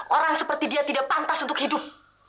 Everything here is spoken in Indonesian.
orang seperti dia tidak pantas untuk hidup